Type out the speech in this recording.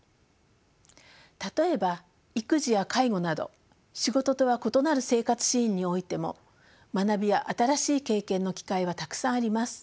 例えば育児や介護など仕事とは異なる生活シーンにおいても学びや新しい経験の機会はたくさんあります。